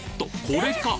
これか！